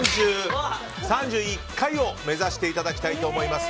３１回を目指していただきたいと思います。